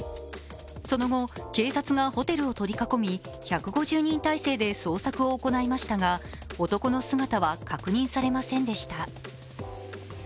その後、警察がホテルを取り囲み１５０人態勢で捜索を行いましたが、男の姿は確認されませんでした。